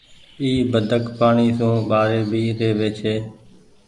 اي بدڪ پآڻيٚ سون ٻآري ڀي رهوي ڇي۔